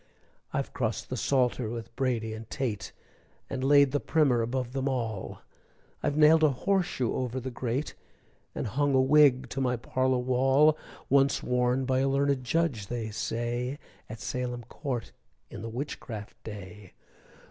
I've crossed the Psalter with Brady and Tate, And laid the Primer above them all, I've nailed a horseshoe over the grate, And hung a wig to my parlor wall Once worn by a learned Judge, they say, At Salem court in the witchcraft day!